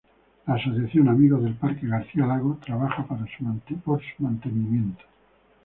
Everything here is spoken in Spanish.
La asociación "Amigos del Parque Garcia Lago" trabaja por su mantenimiento.